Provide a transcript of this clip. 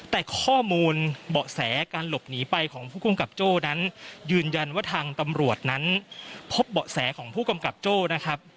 แต่ข้อมูลเบาะแสการหลบหนีไปของผู้กำกับโจ้นั้นยืนยันว่าทางตำรวจนั้นพบเบาะแสของผู้กำกับโจ้นะครับ